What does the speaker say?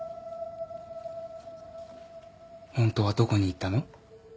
ホントはどこに行ったの？